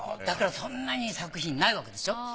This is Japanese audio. だからそんなに作品ないわけでしょ？